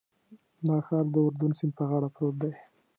دا ښار د اردن سیند په غاړه پروت دی.